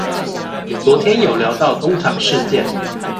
昨天有聊到東廠事件